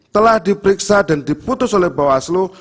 telah diperiksa dan diputus oleh bawaslu